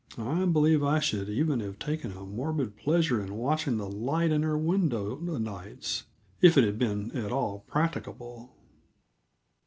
I believe I should even have taken a morbid pleasure in watching the light in her window o' nights, if it had been at all practicable.